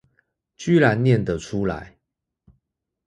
居然唸的出來